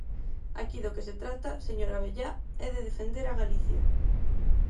Aquí do que se trata, señor Abellá, é de defender a Galicia.